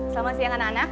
selamat siang anak anak